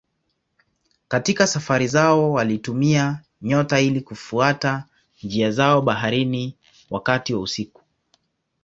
Katika safari zao walitumia nyota ili kufuata njia zao baharini wakati wa usiku.